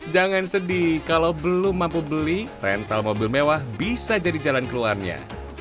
jangan sedih kalau belum mampu beli rental mobil mewah bisa jadi jalan keluarnya